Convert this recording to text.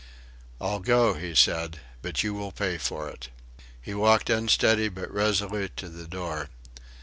"I'll go," he said, "but you will pay for it." He walked unsteady but resolute to the door.